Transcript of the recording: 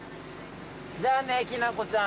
じゃあねきなこちゃん。